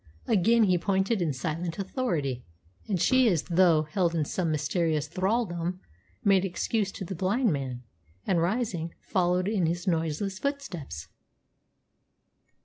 Again he pointed in silent authority, and she as though held in some mysterious thraldom, made excuse to the blind man, and, rising, followed in his noiseless footsteps.